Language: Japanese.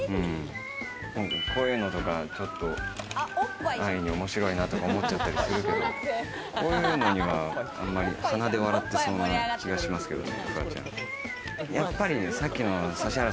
こういうのとかを安易に面白いなとか思っちゃったりするけど、こういうのは鼻で笑ってそうな気がしますけどね。